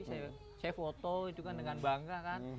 saya foto itu kan dengan bangga kan